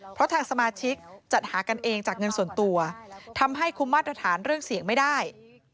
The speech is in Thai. เพราะทางสมาชิกจัดหากันเองจากเงินส่วนตัวทำให้คุมมาตรฐานเรื่องเสี่ยงไม่ได้